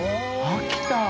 秋田？